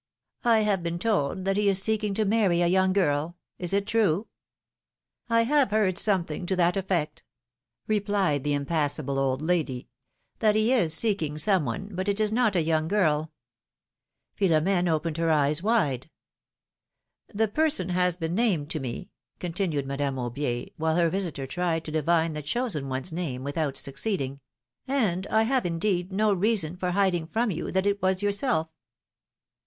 I have been told that he is seeking to marry a young girl; is it true have heard something to that effect,^^ replied the impassible old lady, ^^that he is seeking some one, but it is not a young girl.^^ Philomene opened her eyes wide. The person has been named to me,^^ continued Madame Aubier, while her visitor tried to divine the chosen one's name without succeeding; ^^and I have indeed no reason for hiding from you that it was yourself.